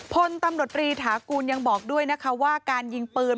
พลตำรวจรีถากูลยังบอกด้วยนะคะว่าการยิงปืน